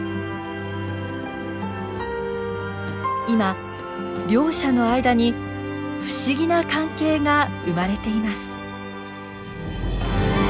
今両者の間に不思議な関係が生まれています。